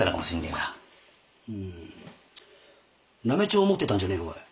嘗帳を持ってたんじゃねえのかい？